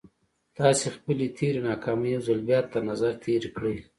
تاسې خپلې تېرې ناکامۍ يو ځل بيا تر نظر تېرې کړئ.